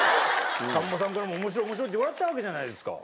さんまさんからも面白い面白いって言われてたわけじゃないですか。